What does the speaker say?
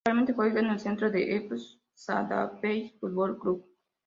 Actualmente juega en el Centre d'Esports Sabadell Futbol Club.